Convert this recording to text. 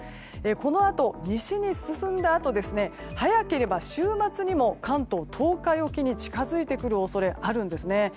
このあと、西に進んだあと早ければ週末にも関東・東海沖に近づいてくる恐れがあります。